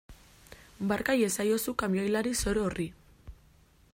Barka iezaiozu kamioilari zoro horri.